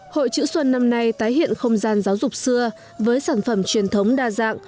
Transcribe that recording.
hội chữ xuân năm nay tái hiện không gian giáo dục xưa với sản phẩm truyền thống đa dạng